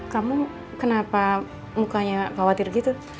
kamu kenapa mukanya khawatir gitu